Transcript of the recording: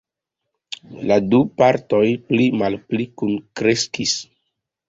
La du partoj pli-malpli kunkreskis.